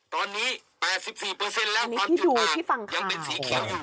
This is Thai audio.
ตอนนี้๘๔เปอร์เซ็นต์และความจุดต่างยังเป็น๔ครับ